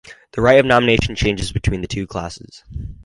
The right of nomination changes between the two classes.